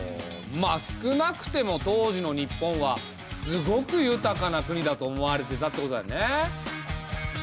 まあ少なくても当時の日本はすごく豊かな国だと思われてたってことだよね。